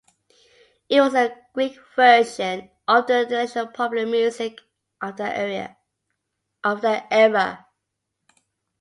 It was the Greek version of the international popular music of that era.